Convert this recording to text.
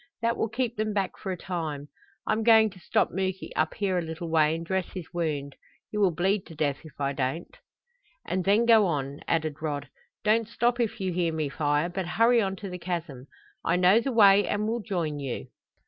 That will keep them back for a time. I'm going to stop Muky up here a little way and dress his wound. He will bleed to death if I don't." "And then go on," added Rod. "Don't stop if you hear me fire, but hurry on to the chasm. I know the way and will join you.